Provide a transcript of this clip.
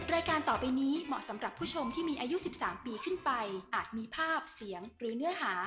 รายการต่อไปนี้เหมาะสำหรับผู้ชมที่มีอายุ๑๓ปีขึ้นไปอาจมีภาพเสียงหรือเนื้อหา